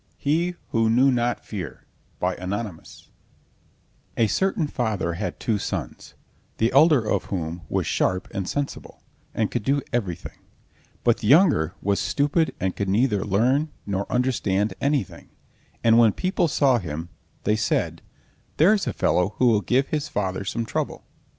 HE WHO KNEW NOT FEAR Anonymous A certain father had two sons, the elder of whom was sharp and sensible, and could do everything, but the younger was stupid and could neither learn nor understand anything, and when people saw him they said: "There's a fellow who will give his father some trouble!"